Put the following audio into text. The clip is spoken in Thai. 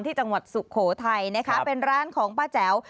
จังหวัดสุโขทัยนะคะเป็นร้านของป้าแจ๋ว